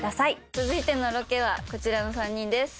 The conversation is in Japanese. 続いてのロケはこちらの３人です。